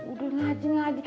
udah ngaji ngaji